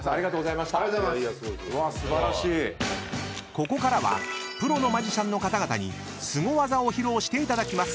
［ここからはプロのマジシャンの方々にスゴ技を披露していただきます］